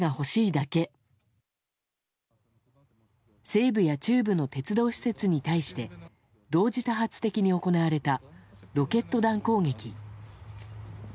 西部や中部の鉄道施設に対して同時多発的に行われたロケット弾攻撃。